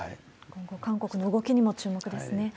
今後、韓国の動きにも注目ですね。